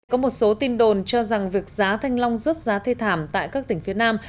có một số tin đồn cho rằng việc giá thanh long rớt giá thê thảm tại các tỉnh phía nam